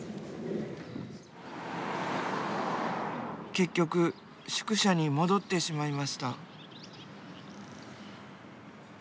結局宿舎に戻ってしまいました。